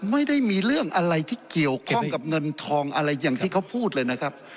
ไม่ได้มีเรื่องอะไรที่เกี่ยวข้องกับเงินทองอะไรอย่างที่เขาพูดเลยนะครับ